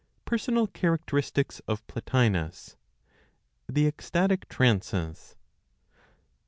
PERSONAL CHARACTERISTICS OF PLOTINOS; THE ECSTATIC TRANCES.